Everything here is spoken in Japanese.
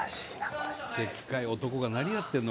でっかい男が何やってんの？